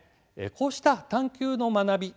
こうした「探究」の学び